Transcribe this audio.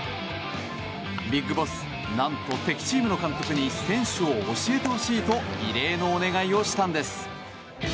ビッグボス、何と敵チームの監督に選手を教えてほしいと異例のお願いをしたんです。